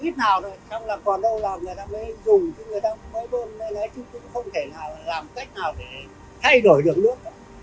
với bơm lên là chúng cũng không thể làm cách nào để thay đổi được nước